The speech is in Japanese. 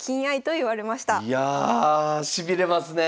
いやあしびれますねえ。